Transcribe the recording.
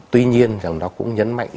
tuy nhiên rằng nó cũng nhấn mạnh